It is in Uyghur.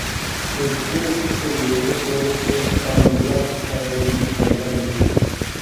ئۆتكۈر غىدىقلىغۇچى ئامىللار تەسىرىدىن پەيدا بولىدۇ.